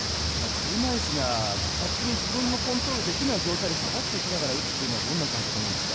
車いすが勝手に自分でコントロールできない状況で下がっていきながら打つというのはどういう感覚なんですか？